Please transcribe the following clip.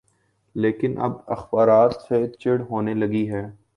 لیکن اب اخبارات سے چڑ ہونے لگی ہے۔